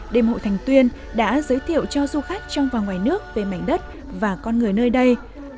đêm hội thành tuyên đã giới thiệu cho du khách trong và ngoài nước về mảnh đất và con người nơi đây